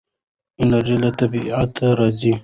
انرژي له طبیعته راځي.